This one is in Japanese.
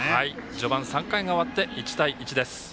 序盤３回が終わって１対１です。